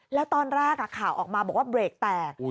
แล้วตอนแรกข่าวออกมาบอกว่าเบรกแตก